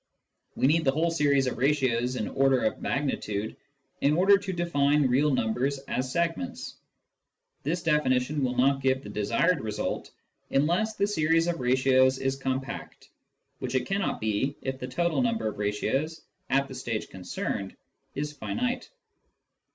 We need the whole series of ratios in order of magnitude in order to define real numbers as segments : this definition will not give the desired result unless the series of ratios is compact, which it cannot be if the total number of ratios, at the stage concerned, is finite.